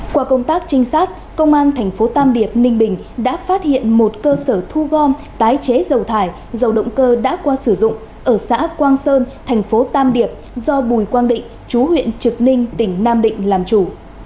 qua công tác trinh sát công an thành phố tam điệp ninh bình đã phát hiện một cơ sở thu gom tái chế dầu thải dầu động cơ đã qua sử dụng ở xã quang sơn thành phố tam điệp do bùi quang định chú huyện trực ninh tỉnh nam định làm chủ